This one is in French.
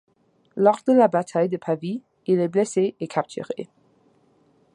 Lors de la bataille de Pavie, il est blessé et capturé.